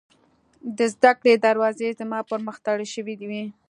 د زدکړې دروازې زما پر مخ تړل شوې وې